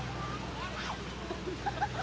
สวัสดีครับทุกคน